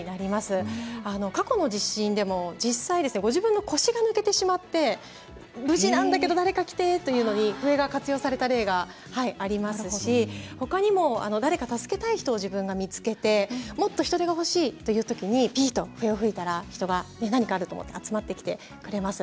過去の地震でも実際ご自分の腰が抜けてしまって無事なんだけど誰か来て！というのに笛が活用された例がございますし他にも誰か助けたい人を自分が見つけてもっと人手が欲しいというときにピーっと笛を吹いたら人が何かあると思って集まってきてくれます。